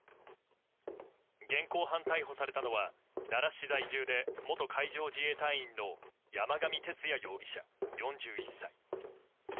現行犯逮捕されたのは奈良市在住で元海上自衛隊員の山上徹也容疑者、４１歳。